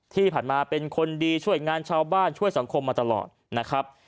ที่ผ่านมาเป็นคนดีช่วยงานชาวบ้านช่วยสังคมมาตลอดนะครับ